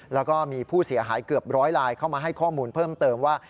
แล้วก็มีผู้เสียหายเกือบร้อยลายเข้ามาให้ข้อมูลเพิ่มเติมว่า